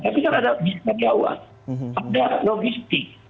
tapi kan ada bisnis karyawan ada logistik